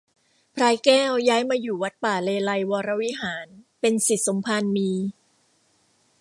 พลายแก้วย้ายมาอยู่วัดป่าเลไลยก์วรวิหาร เป็นศิษย์สมภารมี